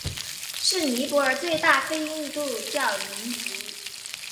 是尼泊尔的最大非印度教民族。